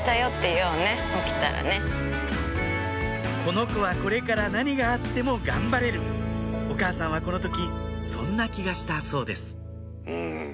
この子はこれから何があっても頑張れるお母さんはこの時そんな気がしたそうですうん。